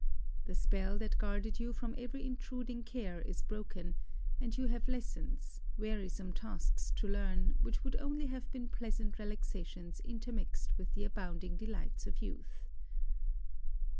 The spell that guarded you from every intruding care is broken: and you have lessons, wearisome tasks to learn, which would only have been pleasant relaxations intermixed with the abounding delights of youth.